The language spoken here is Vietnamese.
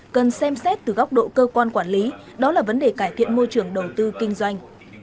cần xem xét từ góc độ cơ quan quản lý đó là vấn đề cải thiện môi trường đầu tư kinh doanh